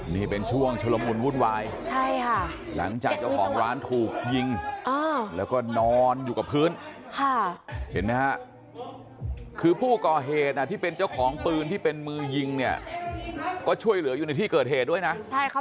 นี่เป็นช่วงชุลมุนวุ่นวายใช่ค่ะหลังจากเจ้าของร้านถูกยิงแล้วก็นอนอยู่กับพื้นค่ะเห็นไหมฮะคือผู้ก่อเหตุที่เป็นเจ้าของปืนที่เป็นมือยิงเนี่ยก็ช่วยเหลืออยู่ในที่เกิดเหตุด้วยนะใช่ครับ